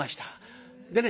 でね